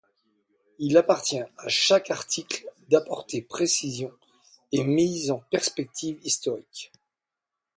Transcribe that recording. Il appartient à chaque article d'apporter précisions et mise en perspective historique.